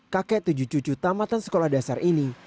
kakek tujuh cucu tamatan sekolah dasar ini